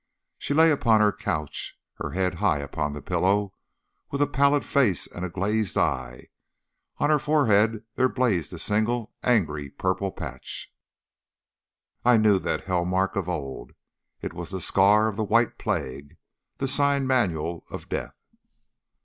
She lay upon her couch, her head high upon the pillow, with a pallid face and a glazed eye. On her forehead there blazed a single angry purple patch. I knew that hell mark of old. It was the scar of the white plague, the sign manual of death.